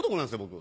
僕。